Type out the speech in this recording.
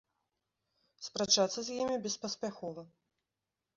Спрачацца з імі беспаспяхова.